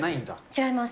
違います。